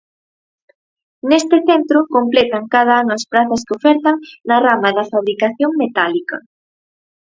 Neste centro completan cada ano as prazas que ofertan na rama da fabricación metálica.